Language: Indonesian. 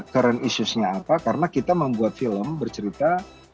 current issues nya apa karena kita membuat film bercerita